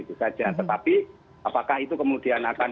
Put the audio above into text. tetapi apakah itu kemudian akan